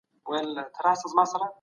سازمانونو به نوي تړونونه لاسلیک کول.